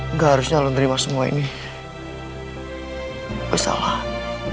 enggak harusnya lo terima semua ini kesalahan